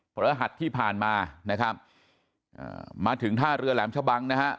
พระรหัสที่ผ่านมานะครับมาถึงท่าเรือแหลมชะบังนะครับ